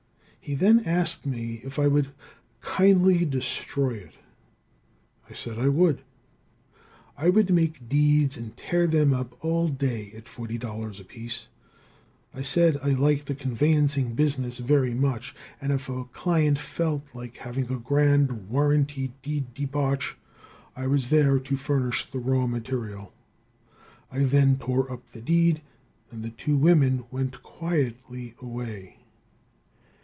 He then asked me if I would kindly destroy it. I said I would. I would make deeds and tear them up all day at $40 apiece. I said I liked the conveyancing business very much, and if a client felt like having a grand, warranty deed debauch, I was there to furnish the raw material. I then tore up the deed and the two women went quietly away.